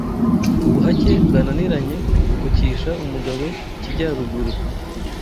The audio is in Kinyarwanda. ubuhake bwananiranye bukukisha umugabo ikijyaruguru »